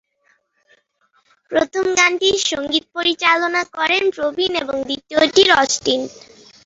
প্রথম গানটির সঙ্গীত পরিচালনা করেন প্রবীণ এবং দ্বিতীয়টির অস্টিন।